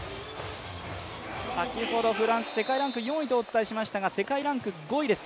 先ほどフランス、世界ランク４位とお伝えしましたが世界ランク５位です。